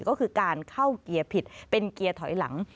ก็คือการเข้าเกียร์ผิดเป็นเกียร์ถอยหลัง